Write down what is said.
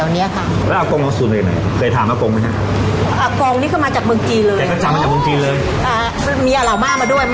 เออมีอร่าวมากใช่แล้วก็เนี้ยคนนี้เขาทำ